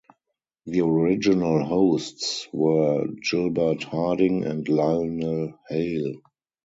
The original hosts were Gilbert Harding and Lionel Hale.